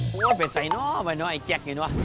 โอ๊ยเป็นสายน้องไปเนอะไอ้แจ็กนี่หนู